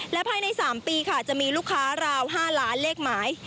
และภายใน๓ปีค่ะจะมีลูกค้าราว๕ล้านเลขหมาย